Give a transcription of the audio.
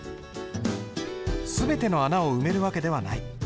全ての穴を埋める訳ではない。